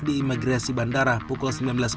di imigresi bandara pukul